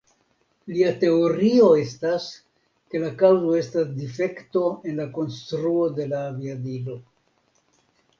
Lia teorio estas ke la kaŭzo estis difekto en la konstruo de la aviadilo.